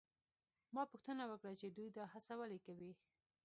ما پوښتنه وکړه چې دوی دا هڅه ولې کوي؟